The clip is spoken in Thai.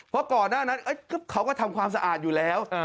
เพราะก่อนหน้านั้นเขาก็ทำความสะอาดอยู่แล้ว